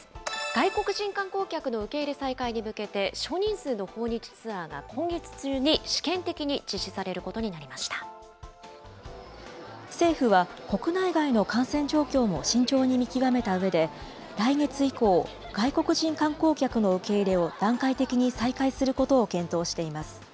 外国人観光客の受け入れ再開に向けて、少人数の訪日ツアーが今月中に試験的に実施される政府は国内外の感染状況も慎重に見極めたうえで、来月以降、外国人観光客の受け入れを段階的に再開することを検討しています。